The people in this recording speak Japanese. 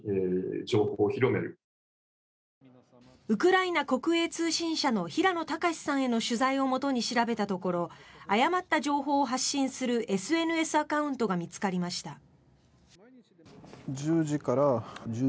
ウクライナ国営通信社の平野高志さんへの取材をもとに調べたところ誤った情報を発信するＳＮＳアカウントが見つかりました。